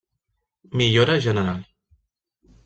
Millora General.